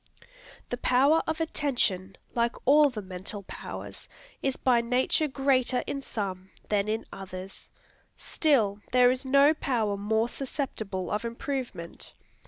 The power of attention, like all the mental powers, is by nature greater in some than in others. Still, there is no power more susceptible of improvement.